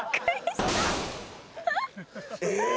えっ？